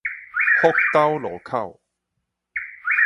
福斗路口